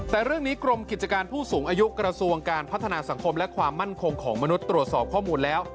แต่เรื่องนี้กรมกิจการผู้สูงอายุกระทรวงการพัฒนาสังคมและความมั่นคงของมนุษย์ตรวจสอบข้อมูลแล้ว